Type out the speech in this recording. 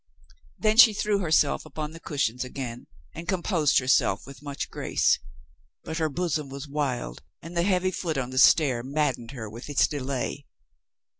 Then she threw herself upon the cushions again and composed herself with much grace. But her bosom was wild and the heavy foot on the stair mad dened her with its delay.